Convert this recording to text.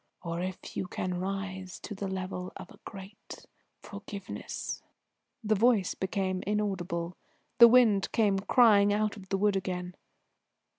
"Or if you can rise to the level of a great forgiveness " The voice became inaudible.... The wind came crying out of the wood again.